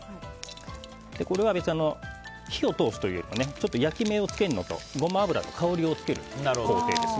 これは火を通すというかちょっと焼き目をつけるのとゴマ油の香りをつける工程です。